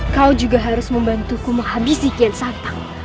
kau juga harus membantuku menghabisi kian santang